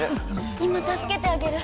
今たすけてあげる。